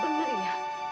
ternyata benar ya